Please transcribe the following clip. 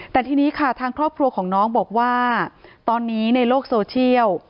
แต่ทีนี้ค่ะทางครอบครัวของน้องบอกว่าตอนนี้ในโลกโซเชียล